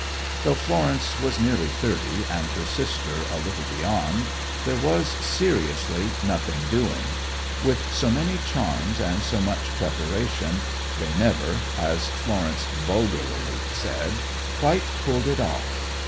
Though Florence was nearly thirty and her sister a little beyond, there was, seriously, nothing doing. With so many charms and so much preparation, they never, as Florence vulgarly said, quite pulled it off.